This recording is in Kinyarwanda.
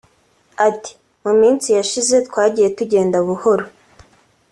Ati “Mu minsi yashize twagiye tugenda buhoro